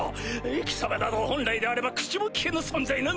貴様など本来であれば口も利けぬ存在なのだ！